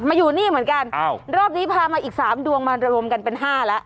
มาอยู่นี่เหมือนกันอ้าวรอบนี้พามาอีกสามดวงมาระลมกันเป็นห้าละ